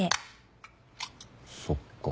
そっか。